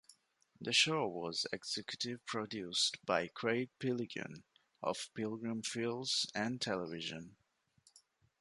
The show was executive produced by Craig Piligian of Pilgrim Films and Television.